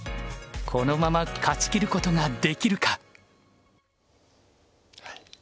このまま勝ちきることができるか⁉はい。